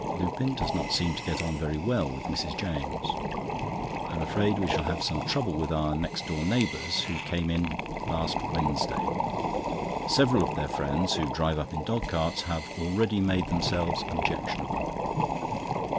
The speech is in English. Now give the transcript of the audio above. Lupin does not seem to get on very well with Mrs. James. I am afraid we shall have some trouble with our next door neighbours who came in last Wednesday. Several of their friends, who drive up in dog carts, have already made themselves objectionable.